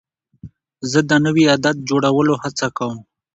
زه د نوي عادت جوړولو هڅه کوم.